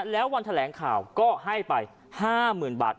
แล้ววันแถลงข่าวก็ให้ไป๕๐๐๐บาท